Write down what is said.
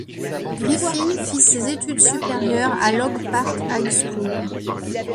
Griffin fit ses études supérieures à l'Oak Park High School.